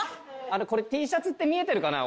これＴシャツって見えてるかな？